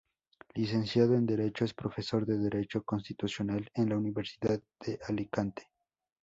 Licenciado en Derecho, es profesor de derecho constitucional en la Universidad de Alicante.